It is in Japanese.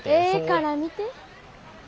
ええから見て。